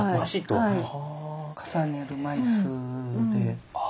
重ねる枚数で。